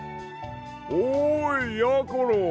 おいやころ！